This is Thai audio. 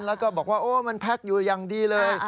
แล้วก็บอกว่าโอ้มันแพ็คอยู่อย่างดีเลย